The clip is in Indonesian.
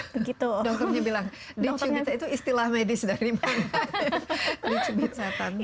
dokternya bilang dicubit itu istilah medis dari mana